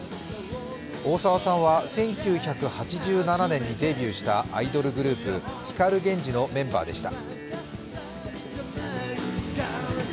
大沢さんは１９８７年にデビューしたアイドルグループ光ＧＥＮＪＩのメンバーでした。